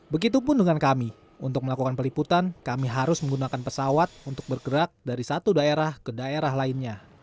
begitupun dengan kami untuk melakukan peliputan kami harus menggunakan pesawat untuk bergerak dari satu daerah ke daerah lainnya